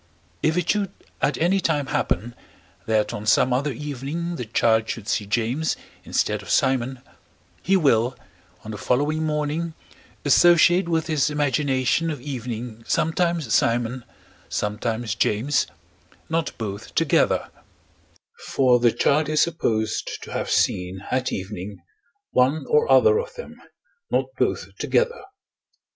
If it should at any time happen, that on some other evening the child should see James instead of Simon, he will, on the following morning, associate with his imagination of evening sometimes Simon, sometimes James, not both together: for the child is supposed to have seen, at evening, one or other of them, not both together.